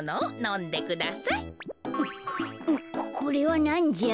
ここれはなんじゃ？